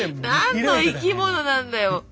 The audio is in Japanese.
何の生き物なんだよ？